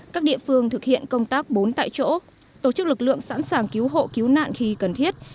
các địa phương thực hiện công tác bốn tại chỗ tổ chức lực lượng sẵn sàng cứu hộ cứu nạn khi cần thiết